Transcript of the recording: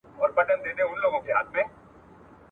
ورزش د انسان عمر زیاتوي.